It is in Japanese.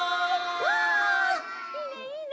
うわいいねいいね。